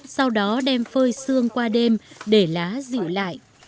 sau đó đem phơi xương qua đêm để lá dịu lại